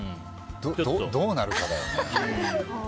どうなるかだよね。